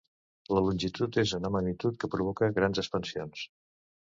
La longitud és una magnitud que provoca grans passions.